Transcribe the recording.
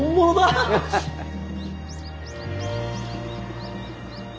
ハハハハッ。